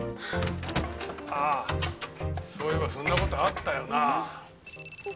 ああそういえばそんな事あったよなあ。